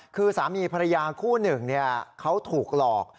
คือสามีภรรยาคู่หนึ่งเขาถูกหลอก